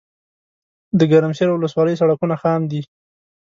دګرمسیر ولسوالۍ سړکونه خام دي